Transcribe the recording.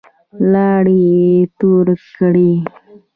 لاړې يې تو کړې.